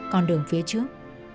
còn đường phía trước